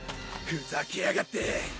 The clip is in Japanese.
ふざけやがって！